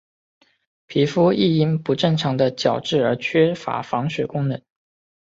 皮肤亦因不正常的角质而缺乏防水功能。